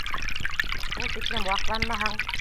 Шул тиклем ваҡланмаһаң!